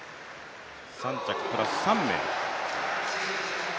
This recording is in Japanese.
３着プラス３名。